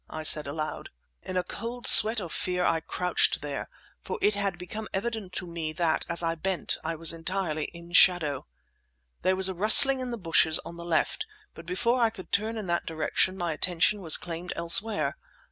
I said aloud. In a cold sweat of fear I crouched there, for it had become evident to me that, as I bent, I was entirely in shadow. There was a rustling in the bushes on the left; but before I could turn in that direction, my attention was claimed elsewhere.